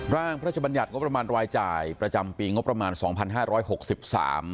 พระชบัญญัติงบประมาณรายจ่ายประจำปีงบประมาณสองพันห้าร้อยหกสิบสาม